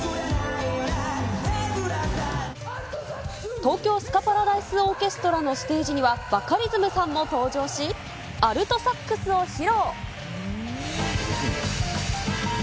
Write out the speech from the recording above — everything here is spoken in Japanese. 東京スカパラダイスオーケストラのステージには、バカリズムさんも登場し、アルトサックスを披露。